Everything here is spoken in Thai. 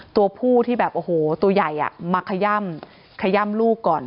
ตัวผู้ที่แบบโอ้โหตัวใหญ่มาขย่ำขย่ำลูกก่อน